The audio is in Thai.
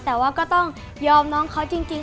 แต่ว่าก็ต้องยอมน้องเขาจริง